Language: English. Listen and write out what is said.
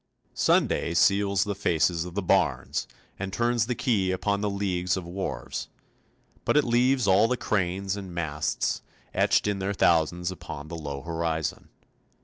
Sunday seals the faces of the barns and turns the key upon the leagues of wharves; but it leaves all the cranes and masts etched in their thousands upon the low horizon.